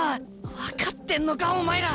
分かってんのかお前ら。